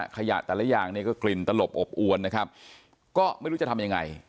ขยะแต่ละอย่างเนี่ยก็กลิ่นตลบอบอวนนะครับก็ไม่รู้จะทำยังไง